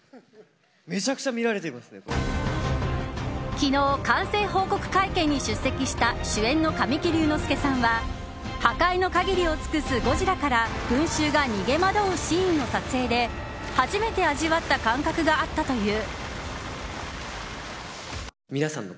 昨日、完成報告会見に出席した主演の神木隆之介さんは破壊の限りを尽くすゴジラから群衆が逃げ惑うシーンの撮影で初めて味わった感覚があったという。